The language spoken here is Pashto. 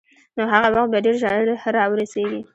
نو هغه وخت به ډېر ژر را ورسېږي.